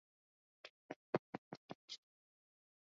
Kitabu The Romance of RiskWhy Teenagers Do the Things They Do